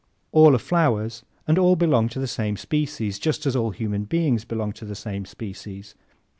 All are flowers and all belong to the same species, just as all human beings belong to the same species.